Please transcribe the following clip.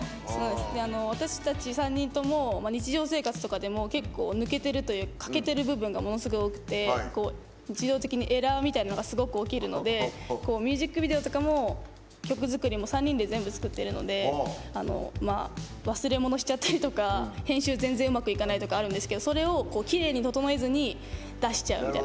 私たち３人とも日常生活とかでも結構抜けてるというか欠けてる部分がものすごく多くて自動的にエラーみたいなのがすごい起きるのでミュージックビデオとかも曲作りとかも３人で全部作ってるので忘れ物しちゃったりとか編集全然うまくいかないとかあるんですけど、それをきれいに整えずに出しちゃうみたいな。